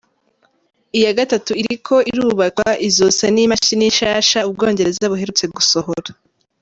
Iya gatatu iriko irubakwa, izosa n'imashini nshasha Ubwongereza buherutse gusohora.